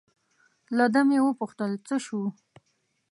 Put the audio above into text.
له ده مې و پوښتل: څه شو؟